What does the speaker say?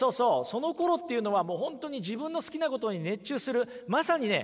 そのころっていうのはもう本当に自分の好きなことに熱中するまさにね